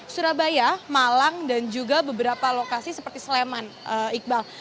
surabaya malang dan juga beberapa lokasi seperti sleman iqbal